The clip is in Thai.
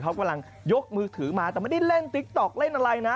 เขากำลังยกมือถือมาแต่ไม่ได้เล่นติ๊กต๊อกเล่นอะไรนะ